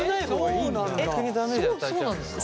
逆にダメージ与えちゃうんですか？